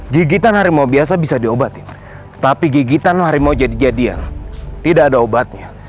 gigitan hari mau biasa bisa diobatin tapi gigitan hari mau jadi jadian tidak ada obatnya